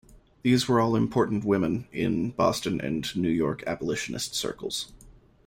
These were all important women in Boston and New York abolitionist circles.